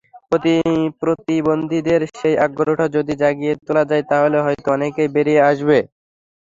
প্রতিবন্ধীদের সেই আগ্রহটা যদি জাগিয়ে তোলা যায়, তাহলে হয়তো অনেকেই বেরিয়ে আসবে।